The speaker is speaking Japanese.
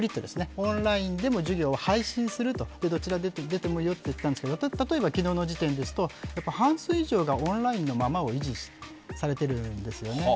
オンラインでも授業を配信するという、どちら出てもいいよと言ったんですけど、例えば昨日の時点ですと半数以上がオンラインのままを維持されているんですよね。